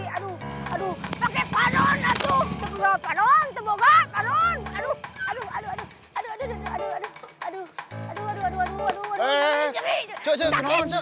sakit panon atuh terborak